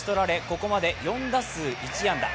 ここまで４打数１安打。